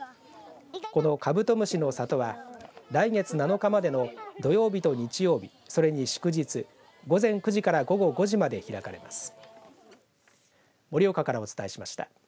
このカブト虫の里は来月７日までの土曜日と日曜日、それに祝日、午前９時から午後５時まで開かれます。